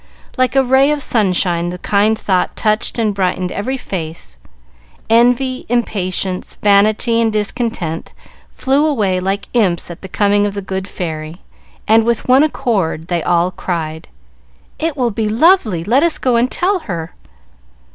Like a ray of sunshine the kind thought touched and brightened every face; envy, impatience, vanity, and discontent flew away like imps at the coming of the good fairy, and with one accord they all cried, "It will be lovely; let us go and tell her!"